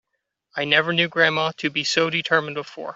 I never knew grandma to be so determined before.